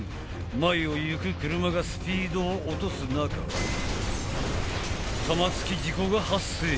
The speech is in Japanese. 前を行く車がスピードを落とす中玉突き事故が発生！